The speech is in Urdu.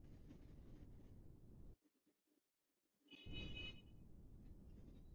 جبکہ اس سے مستفید ہونے کا کوئی بل بھی نہیں